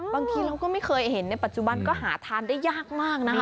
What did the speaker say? บางทีเราก็ไม่เคยเห็นในปัจจุบันก็หาทานได้ยากมากนะคะ